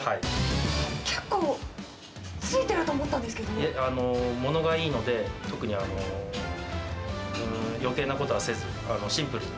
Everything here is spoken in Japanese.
結構、ついてると思ったんでいえ、ものがいいので、特に余計なことはせず、シンプルに。